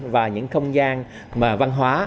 và những không gian mà văn hóa